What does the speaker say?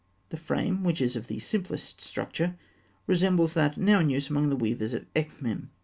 The frame, which is of the simplest structure, resembles that now in use among the weavers of Ekhmîm.